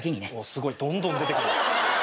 すごいどんどん出てくる。